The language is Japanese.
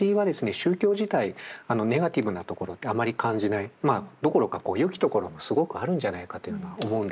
宗教自体ネガティブなところをあまり感じないどころかよきところがすごくあるんじゃないかというのは思うんです。